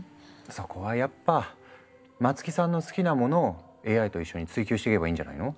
そこはやっぱ松木さんの好きなものをＡＩと一緒に追求していけばいいんじゃないの？